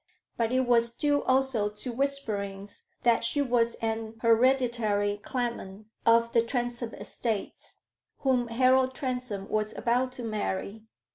But it was due also to whisperings that she was an hereditary claimant of the Transome estates, whom Harold Transome was about to marry.